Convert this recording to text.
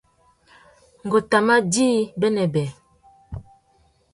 Ngu tà mà djï bênêbê.